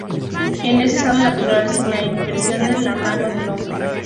En estado natural sin la intervención de la mano del hombre.